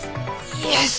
イエス！